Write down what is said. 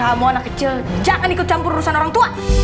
kamu anak kecil jangan ikut campur urusan orang tua